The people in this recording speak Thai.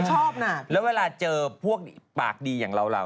ใช่ชอบอำชอบอำชอบอำ